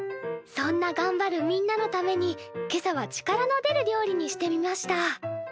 そんながんばるみんなのために今朝は力の出る料理にしてみました。